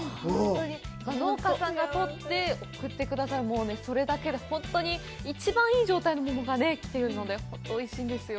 農家さんがとって、送ってくださる、それだけで本当にいい状態の桃が来てるので、本当においしいですよ。